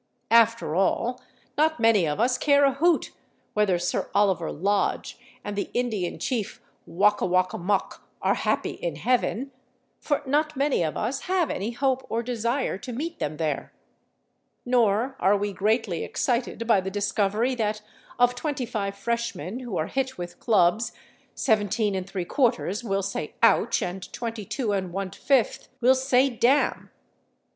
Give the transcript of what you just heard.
After all, not many of us care a hoot whether Sir Oliver Lodge and the Indian chief Wok a wok a mok are happy in heaven, for not many of us have any hope or desire to meet them there. Nor are we greatly excited by the discovery that, of twenty five freshmen who are hit with clubs, 17¾ will say "Ouch!" and 22⅕ will say "Damn!"